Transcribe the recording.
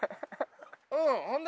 うん。